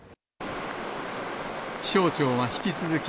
気象庁は引き続き、